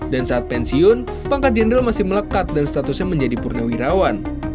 dan saat pensiun pangkat jenderal masih melekat dan statusnya menjadi purnawirawan